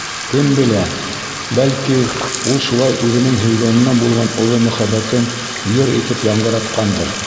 Кем белә, бәлки, ул шулай үҙенең һөйгәненә булған оло мөхәббәтен йыр итеп яңғыратҡандыр.